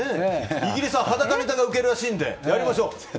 イギリスは裸ネタが受けるらしいのでやりましょう！